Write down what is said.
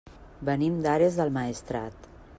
Venim d'Ares del Maestrat.